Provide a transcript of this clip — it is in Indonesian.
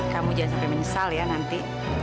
kamu jangan sampai menyesal ya nanti